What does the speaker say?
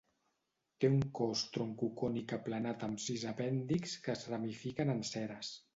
Té un cos troncocònic aplanat amb sis apèndixs que es ramifiquen en ceres.